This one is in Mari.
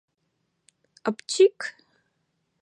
Апчи-ик.